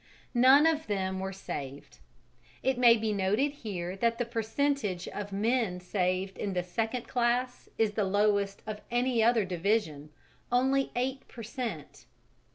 None of them were saved. It may be noted here that the percentage of men saved in the second class is the lowest of any other division only eight per cent.